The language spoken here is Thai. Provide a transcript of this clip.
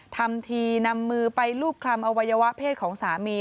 ทำทีนำมือไปรูปคลำอวัยวะเพศของสามี